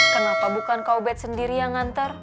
kenapa bukan kak ubed sendiri yang nganter